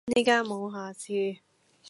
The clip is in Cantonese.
呢間無下次!